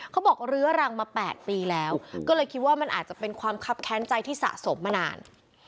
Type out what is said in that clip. เขาบอกเรื้อรังมา๘ปีแล้วก็เลยคิดว่ามันอาจจะเป็นความคับแค้นใจที่สะสมมานาน